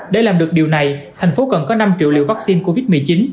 để làm được điều này thành phố cần có năm triệu liều vaccine covid một mươi chín